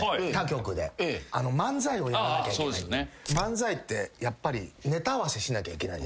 漫才ってやっぱりネタ合わせしなきゃいけない。